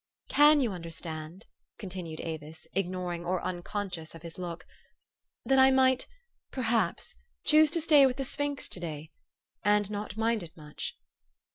u Can you understand," continued Avis, ignoring or unconscious of his look, " that I might perhaps choose to stay with the sphinx to day and not mind it much?